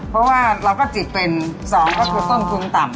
เพราะว่าเราก็จิตเป็น๒ก็คือต้นทุนต่ำ